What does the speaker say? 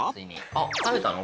あっ食べたの？